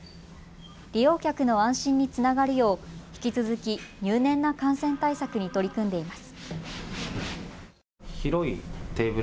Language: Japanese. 利用客の安心につながるよう引き続き入念な感染対策に取り組んでいます。